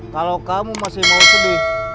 kalau kamu masih mau sedih